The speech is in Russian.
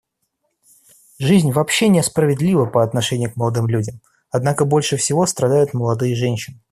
Жизнь вообще несправедлива по отношению к молодым людям, однако больше всего страдают молодые женщины.